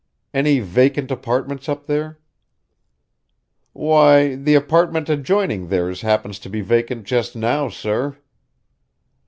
"Any vacant apartments up there?" "Why, the apartment adjoining theirs happens to be vacant just now, sir."